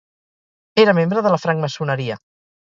Era membre de la francmaçoneria.